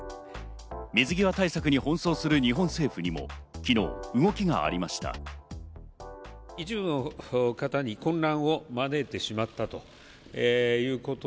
水際対策に奔走する日本政府にも昨日動きがありました。